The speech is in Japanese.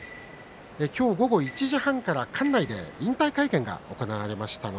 今日、午後１時半から館内で引退会見が行われました。